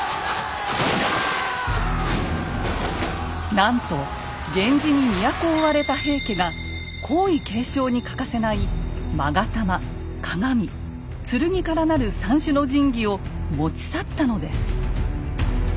なんと源氏に都を追われた平家が皇位継承に欠かせない勾玉・鏡・剣から成る三種の神器を持ち去ったのです。